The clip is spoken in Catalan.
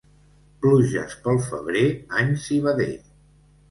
Pluges pel febrer, any civader.